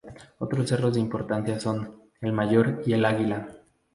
Otros cerros de importancia son: el Mayor y el Águila.